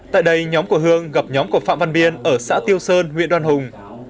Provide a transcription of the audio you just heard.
tại đây nhóm của hương gặp nhóm của phạm văn biên ở xã tiêu sơn huyện đoàn hùng